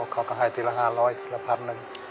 เขาก็ให้ทีละ๕๐๐ทีละ๑๐๐๐